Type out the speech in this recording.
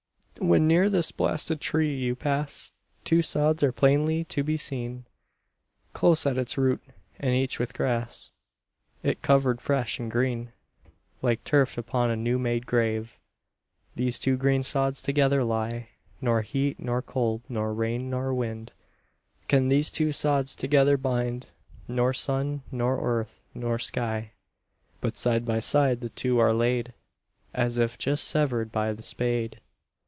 When near this blasted tree you pass, Two sods are plainly to be seen Close at its root, and each with grass Is cover'd fresh and green. Like turf upon a new made grave These two green sods together lie, Nor heat, nor cold, nor rain, nor wind Can these two sods together bind, Nor sun, nor earth, nor sky, But side by side the two are laid, As if just sever'd by the spade.